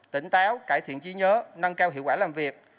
tỉnh táo cải thiện trí nhớ nâng cao hiệu quả làm việc